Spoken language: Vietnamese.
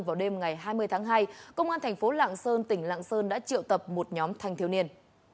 vào đêm ngày hai mươi tháng hai công an thành phố lạng sơn tỉnh lạng sơn đã triệu tập một nhóm thanh thiếu niên